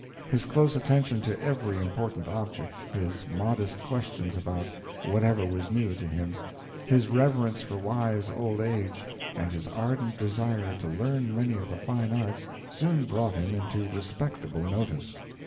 His close attention to every important object his modest questions about whatever was new to him his reverence for wise old age, and his ardent desire to learn many of the fine arts, soon brought him into respectable notice.